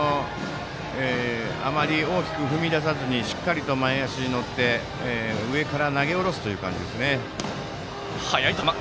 あまり大きく踏み出さずにしっかりと前足に乗って上から投げ下ろす感じですね。